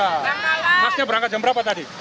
dari madura masnya berangkat jam berapa tadi